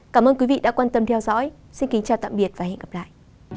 cảm ơn quý vị đã quan tâm theo dõi xin kính chào tạm biệt và hẹn gặp lại